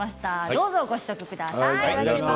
どうぞご試食ください。